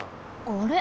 あれ？